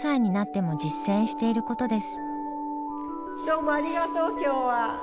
どうもありがとう今日は。